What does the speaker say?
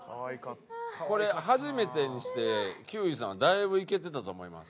これ初めてにして休井さんはだいぶいけてたと思います。